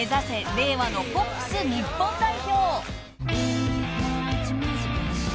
令和のポップス日本代表］